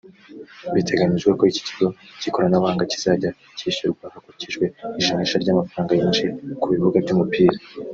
Biteganyijwe ko iki kigo cy’ikoranabuhanga kizajya cyishyurwa hakurikijwe ijanisha ry’amafaranga yinjiye ku bibuga by’umupira